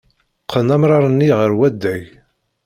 Qqen amrar-nni ɣer waddag.